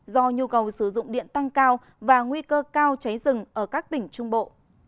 do nhu cầu sử dụng điện tăng cao và nguy cơ cao cháy rừng ở các tỉnh trung bộ